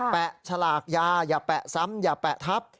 แปะฉลากยาอย่าแปะซ้ำอย่าแปะทับ